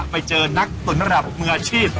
ไปเจอนักตุ๋นทางดับมหาชีพ